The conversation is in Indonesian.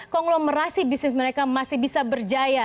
konglomerasi bisnis mereka masih bisa berjaya